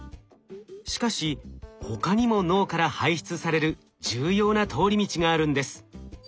しかし他にも脳から排出される重要な通り道があるんです。